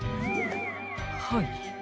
はい。